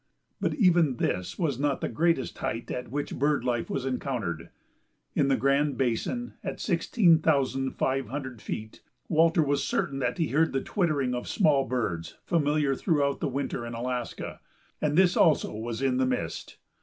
But even this was not the greatest height at which bird life was encountered. In the Grand Basin, at sixteen thousand five hundred feet, Walter was certain that he heard the twittering of small birds familiar throughout the winter in Alaska, and this also was in the mist.